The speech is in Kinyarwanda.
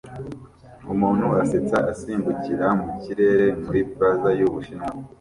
Umuntu asetsa asimbukira mu kirere muri Plaza y'Ubushinwa